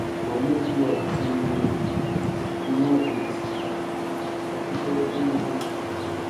Kwa mujibu wa Knappert ni katika ukumbi huu